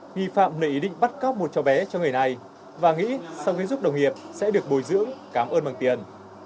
nghi phạm lại ý định bắt cắp một chó bé cho người này và nghĩ sau khi giúp đồng nghiệp sẽ được bồi giữ cảm ơn bằng tiền